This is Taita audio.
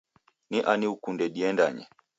Ni ani ukunde diendanye?